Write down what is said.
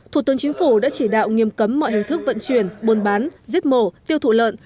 thủ tướng chính phủ đã chỉ đạo nghiêm cấm mọi hình thức vận chuyển buôn bán giết mổ tiêu thụ lợn